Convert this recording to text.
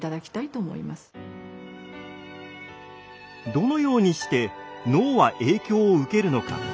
どのようにして脳は影響を受けるのか。